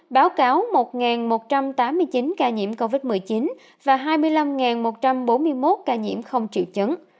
báo cáo một một trăm tám mươi chín ca nhiễm covid một mươi chín và hai mươi năm một trăm bốn mươi một ca nhiễm không triệu chứng